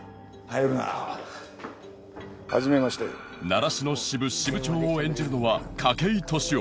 習志野支部支部長を演じるのは筧利夫